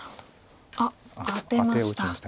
あっアテました。